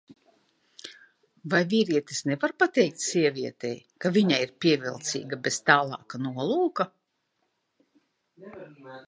Vai vīrietis nevar pateikt sievietei, ka viņa ir pievilcīga bez tālāka nolūka?